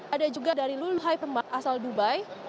ada juga dari luluhai pemak asal dubai